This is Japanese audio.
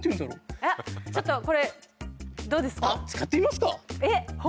あ使ってみますか？